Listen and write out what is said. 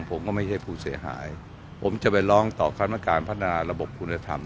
ผมก็ไม่ใช่ผู้เสียหายผมจะไปร้องต่อคณะการพัฒนาระบบคุณธรรม